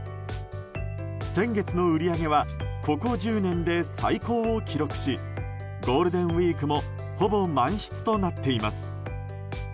先月の売り上げはここ１０年で最高を記録しゴールデンウィークもほぼ満室となっています。